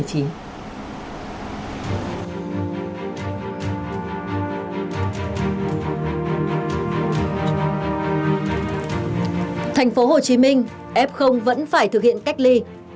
thành phố hồ chí minh f vẫn phải thực hiện cách ly